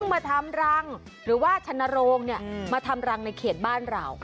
มาทำรังหรือว่าชนโรงมาทำรังในเขตบ้านเรา